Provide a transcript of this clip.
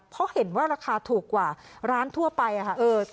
เพราะเห็นว่าราคาถูกกว่าร้านทั่วไปค่ะ